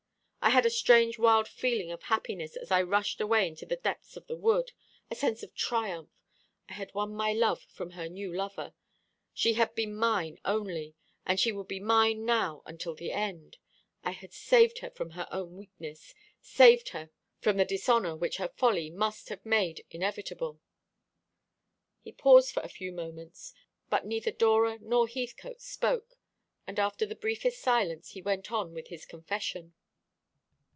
I had a strange wild feeling of happiness as I rushed away into the depths of the wood a sense of triumph. I had won my love from her new lover. She had been mine only; and she would be mine now until the end. I had saved her from her own weakness saved, her from the dishonour which her folly must have made inevitable." He paused for a few moments, but neither Dora nor Heathcote spoke, and after the briefest silence he went on with his confession.